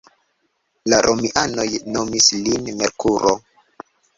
La romianoj nomis lin Merkuro.